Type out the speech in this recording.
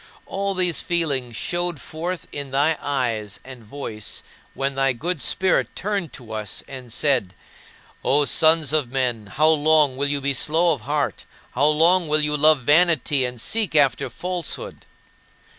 And all these feelings showed forth in my eyes and voice when thy good Spirit turned to us and said, "O sons of men, how long will you be slow of heart, how long will you love vanity, and seek after falsehood?"